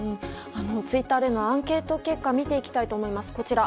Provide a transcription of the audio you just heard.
ツイッターでのアンケート結果を見ていきたいと思います。